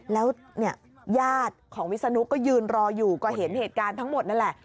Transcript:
แล้วเนี่ยญาติของวิศนุก็ยืนรออยู่ก็เห็นเหตุการณ์ทั้งหมดนั่นแหละ